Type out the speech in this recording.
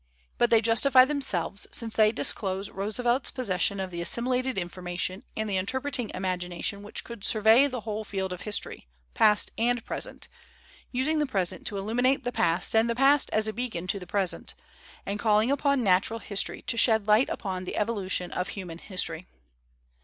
But they justify themselves, since they disclose Roosevelt's possession of the assimilated information and the interpreting imagination which could survey the whole field of history, past and present, using the present to illuminate .tst and the past as a beacon to the p; and calling upon natural history to >lu<l upon the evolution of human history.